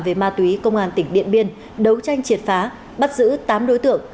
về ma túy công an tỉnh điện biên đấu tranh triệt phá bắt giữ tám đối tượng